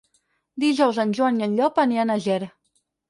Dijous en Joan i en Llop aniran a Ger.